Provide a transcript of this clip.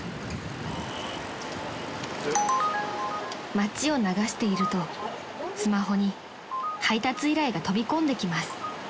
［街を流しているとスマホに配達依頼が飛び込んできます］